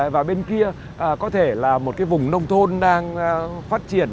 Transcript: và bên kia có thể là một cái vùng nông thôn đang phát triển